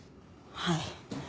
はい。